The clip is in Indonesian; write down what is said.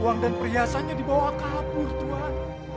uang dan perhiasannya dibawa kabur tuhan